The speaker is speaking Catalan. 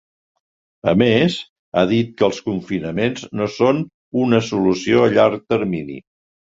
A més, ha dit que els confinaments no són una solució a llarg termini.